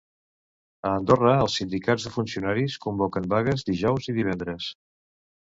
A Andorra, els sindicats de funcionaris convoquen vagues dijous i divendres.